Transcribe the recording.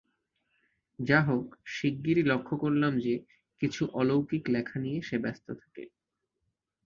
যা হোক শিগগিরই লক্ষ করলাম যে, কিছু অলৌকিক লেখা নিয়ে সে ব্যস্ত থাকে।